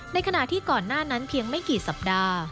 ในขณะที่ก่อนหน้านั้นเพียงไม่กี่สัปดาห์